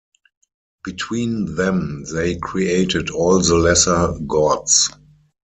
Between them they created all the lesser Gods.